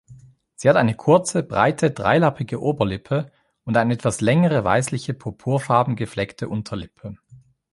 Sie hat eine kurze, breite, dreilappige Oberlippe und eine etwas längere, weißliche, purpurfarben-gefleckte Unterlippe.